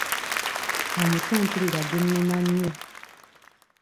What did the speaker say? Omutwe mpulira gunnuma nnyo.